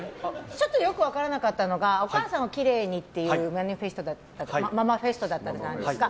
ちょっとよく分からなかったのがお母さんをきれいにというママフェストだったじゃないですか。